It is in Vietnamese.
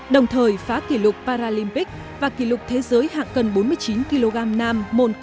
đồng thời phá kỷ lục paralympic và kỷ lục thế giới hạng cân bốn mươi chín kg nam